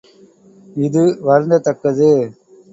இது வருந்தத் தக்கது!